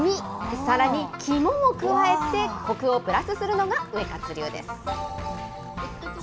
さらに肝を加えて、こくをプラスするのがウエカツ流です。